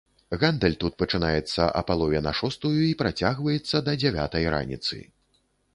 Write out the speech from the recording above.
Гандаль тут пачынаецца а палове на шостую і працягваецца да дзявятай раніцы.